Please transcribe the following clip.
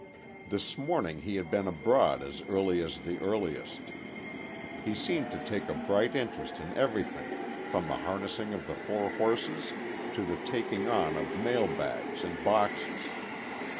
This morning he had been abroad as early as the earliest; he seemed to take a bright interest in everything, from the harnessing of the four horses to the taking on of mail bags and boxes.